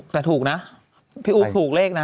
แต่ถูกนะพี่อู๊ดถูกเลขนะ